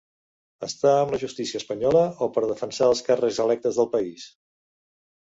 Està amb la justícia espanyola o per defensar els càrrecs electes del país?